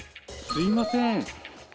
すいません。